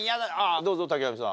どうぞ瀧波さん。